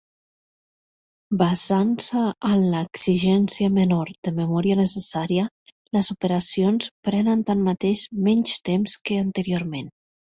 Basant-se en l'exigència menor de memòria necessària, les operacions prenen tanmateix menys temps que anteriorment.